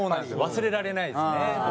忘れられないですね。